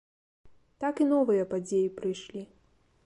Так і новыя падзеі прыйшлі.